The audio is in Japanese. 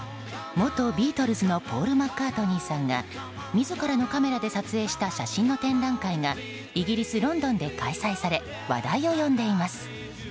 元ビートルズのポール・マッカートニーさんが自らのカメラで撮影した写真の展覧会がイギリス・ロンドンで開催され話題を呼んでいます。